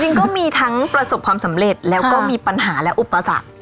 ก็มีทั้งประสบความสำเร็จแล้วก็มีปัญหาและอุปสรรค